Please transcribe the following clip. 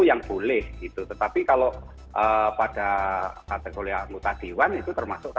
yang boleh gitu tetapi kalau pada kategori anggota dewan itu termasuk